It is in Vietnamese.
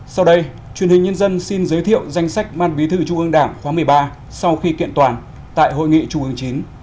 sau đây truyền hình nhân dân xin giới thiệu danh sách ban bí thư trung ương đảng khóa một mươi ba sau khi kiện toàn tại hội nghị trung ương chín